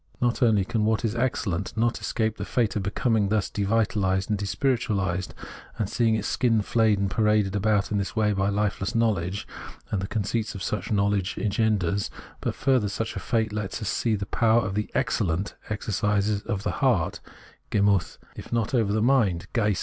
Not only can what is excellent not escape the fate of becoming thus devitalised and despirituahsed, and seeing its skin flayed and paraded about in this way by hfeless knowledge, and the conceit such knowledge engenders ; but, further, such a fate lets us see the power the " excellent " exercises over the heart (GemutJi), if not over the mind (Geist).